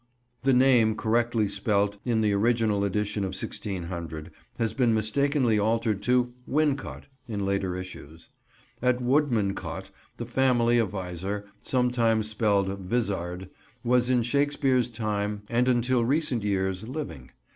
The name, correctly spelt in the original edition of 1600, has been mistakenly altered to "Wincot," in later issues. At Woodmancote the family of Visor, sometimes spelled "Vizard" was in Shakespeare's time and until recent years living.